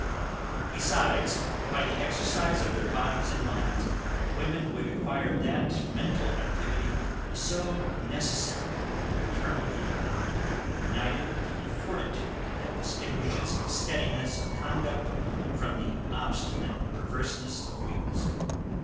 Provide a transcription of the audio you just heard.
Besides, by the exercise of their bodies and minds, women would acquire that mental activity so necessary in the maternal character, united with the fortitude that distinguishes steadiness of conduct from the obstinate perverseness of weakness.